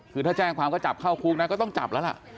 คือถ้าแจ้งความก็จับเข้าคุกนะก็ต้องจับแล้วล่ะ